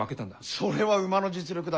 それは馬の実力だ。